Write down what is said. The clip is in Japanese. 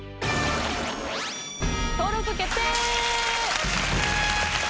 登録決定！